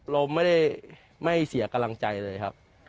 เราไม่ได้ไม่เสียกำลังใจเลยครับ